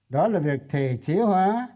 đó là việc thể chế hóa